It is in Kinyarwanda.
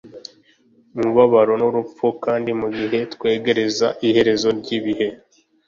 umubabaro, n'urupfu. kandi mu gihe twegereza iherezo ry'ibihe